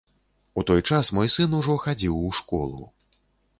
У той час мой сын ужо хадзіў у школу.